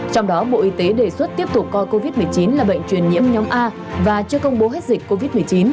trong đó bộ y tế đề xuất tiếp tục coi covid một mươi chín là bệnh truyền nhiễm nhóm a và chưa công bố hết dịch covid một mươi chín